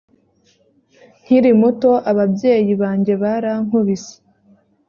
nkiri muto ababyeyi banjye barankubise